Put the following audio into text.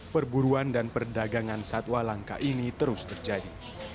perburuan dan perdagangan satwa langka ini terus terjadi